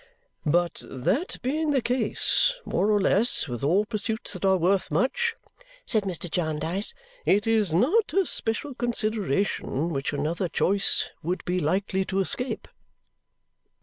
"But that being the case, more or less, with all pursuits that are worth much," said Mr. Jarndyce, "it is not a special consideration which another choice would be likely to escape."